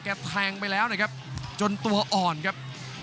แทงไปแล้วนะครับจนตัวอ่อนครับ